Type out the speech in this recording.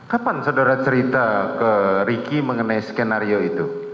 kapan saudara cerita ke ricky mengenai skenario itu